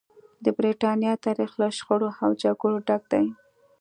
د برېټانیا تاریخ له شخړو او جګړو ډک دی.